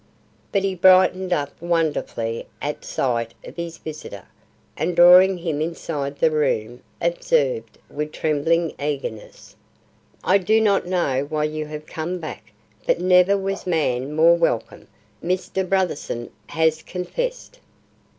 But he brightened wonderfully at sight of his visitor, and drawing him inside the room, observed with trembling eagerness: "I do not know why you have come back, but never was man more welcome. Mr. Brotherson has confessed."